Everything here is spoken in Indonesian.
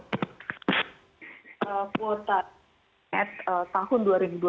internet tahun dua ribu dua puluh